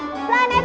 bantu air dan udara